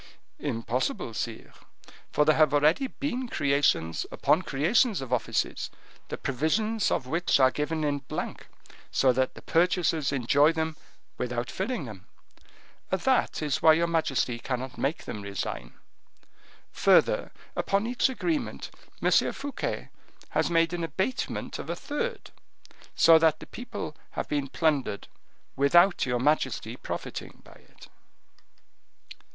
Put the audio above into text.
"Impossible, sire, for there have already been creations upon creations of offices, the provisions of which are given in blank, so that the purchasers enjoy them without filling them. That is why your majesty cannot make them resign. Further, upon each agreement M. Fouquet has made an abatement of a third, so that the people have been plundered, without your majesty profiting by it."